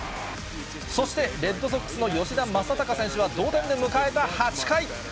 そして、レッドソックスの吉田正尚選手は同点で迎えた８回。